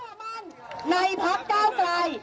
เชื่อหมั่นในพลักธ์ก้าวใกล้